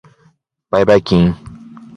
ばいばいきーーーん。